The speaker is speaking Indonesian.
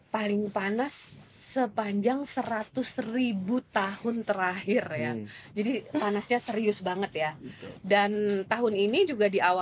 paling panas sepanjang seratus ribu tahun terakhir ya jadi panasnya serius banget ya dan tahun ini juga di awal